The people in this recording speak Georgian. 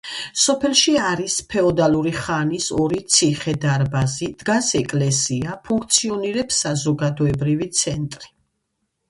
სოფელში არის ფეოდალური ხანის ორი ციხე-დარბაზი, დგას ეკლესია, ფუნქციონირებს საზოგადოებრივი ცენტრი.